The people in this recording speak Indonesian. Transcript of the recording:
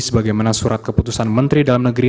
sebagaimana surat keputusan menteri dalam negeri